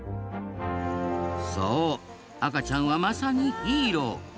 そう赤ちゃんはまさにヒーロー。